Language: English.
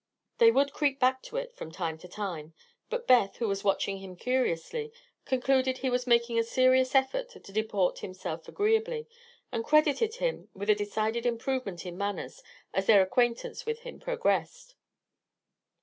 They would creep back to it, from time to time; but Beth, who was watching him curiously, concluded he was making a serious effort to deport himself agreeably and credited him with a decided improvement in manners as their acquaintance with him progressed.